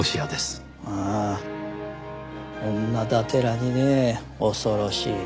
ああ女だてらにねえ恐ろしい。